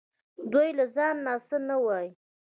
دوی له ځانه څه نه وايي